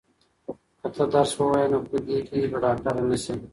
که ته درس ووایې نو په دې کې به ډاکټره نه شې.